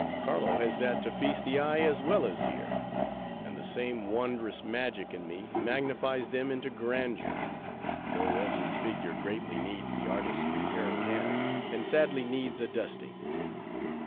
Carlo has that to feast the eye as well as ear; and the same wondrous magic in me, magnifies them into grandeur; though every figure greatly needs the artist's repairing hand, and sadly needs a dusting.